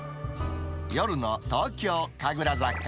夜の東京・神楽坂。